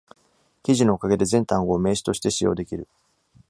記事のおかげで、全単語を名詞として使用できる。